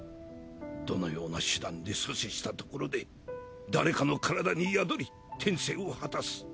どのような手段で阻止したところで誰かの体に宿り転生を果たす。